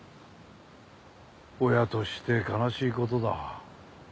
親として悲しいことだ。